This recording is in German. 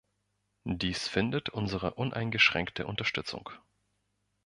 Dies findet unsere uneingeschränkte Unterstützung.